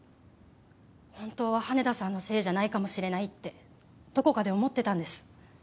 本当は羽田さんのせいじゃないかもしれないってどこかで思ってたんです